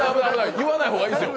言わない方がいいですよ！